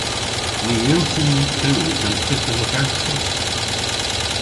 Ny yllsyn ni klewes an pyth a leversowgh.